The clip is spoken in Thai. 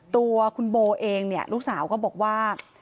ตัวคุณโบเองเนี่ยลูกสาวก็บอกว่า